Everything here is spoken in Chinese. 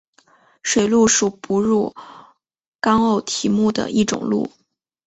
水鹿属哺乳纲偶蹄目的一种鹿。